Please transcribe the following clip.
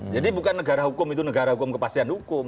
jadi bukan negara hukum itu negara hukum kepastian hukum